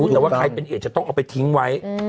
แต่ว่าใครเป็นเอกจะต้องเอาไปทิ้งไว้